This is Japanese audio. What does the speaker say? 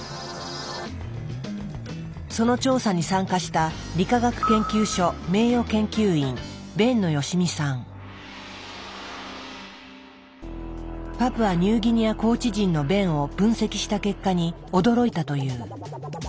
その調査に参加したパプアニューギニア高地人の便を分析した結果に驚いたという。